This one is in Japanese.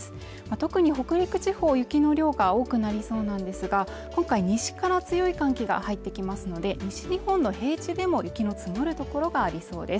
特に北陸地方、雪の量が多くなりそうなんですが今回西から強い寒気が入ってきますので西日本の平地でも雪の積もる所がありそうです